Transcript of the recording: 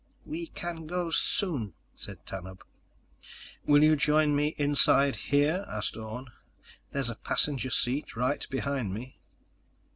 "We can go soon," said Tanub. "Will you join me inside here?" asked Orne. "There's a passenger seat right behind me."